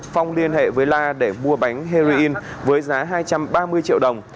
phong liên hệ với la để mua bánh harry inn với giá hai trăm ba mươi triệu đồng